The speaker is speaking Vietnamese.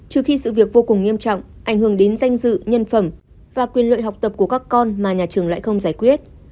trừ khi sự việc vô cùng nghiêm trọng ảnh hưởng đến danh dự nhân phẩm và quyền lợi học tập của các con mà nhà trường lại không giải quyết